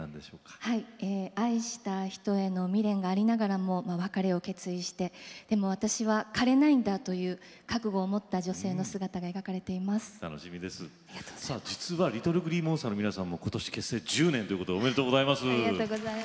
愛した人への未練がありながら別れを決意してでも私は枯れないんだという覚悟を持った実はＬｉｔｔｌｅＧｌｅｅＭｏｎｓｔｅｒの皆さんも結成１０年おめでとうございます。